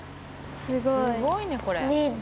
すごいねこれ。